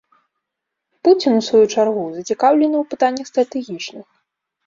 Пуцін, у сваю чаргу, зацікаўлены ў пытаннях стратэгічных.